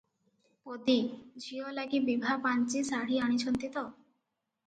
ପଦୀ-ଝିଅ ଲାଗି ବିଭା ପାଞ୍ଚି ଶାଢୀ ଆଣିଛନ୍ତି ତ?